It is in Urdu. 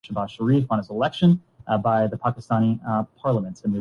لیکن عمران خان یہی کچھ کر رہا ہے۔